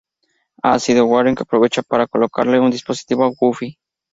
Ha sido Warren, que aprovecha para colocarle un dispositivo a Buffy.